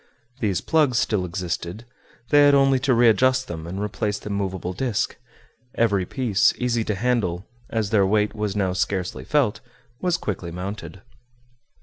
These plugs still existed; they had only to readjust them and replace the movable disc; every piece, easy to handle, as their weight was now scarcely felt, was quickly mounted.